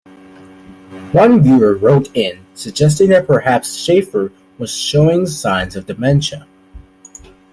One viewer wrote in, suggesting that perhaps Schaefer was showing signs of dementia.